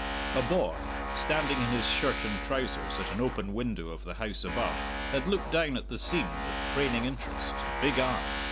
A boy, standing in his shirt and trousers at an open window of the house above, had looked down at the scene with craning interest big eyed.